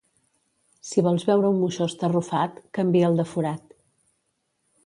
Si vols veure un moixó estarrufat, canvia'l de forat.